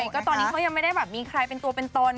ก็ตอนนี้เขายังไม่ได้แบบมีใครเป็นตัวเป็นตน